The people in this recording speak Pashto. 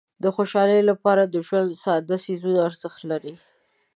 د خوشحالۍ لپاره د ژوند ساده څیزونه ارزښت لري.